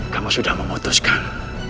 kamu sudah memutuskan